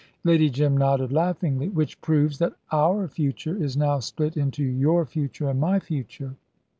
Lady Jim nodded laughingly. "Which proves that 'our future' is now split into 'your future' and 'my future.'"